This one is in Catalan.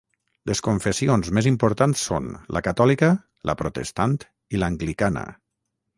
Les confessions més importants són la catòlica, la protestant i l'anglicana.